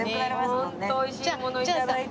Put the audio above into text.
ホントおいしいもの頂いて。